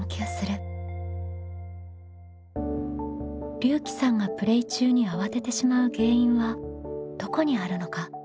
りゅうきさんがプレイ中にあわててしまう原因はどこにあるのか？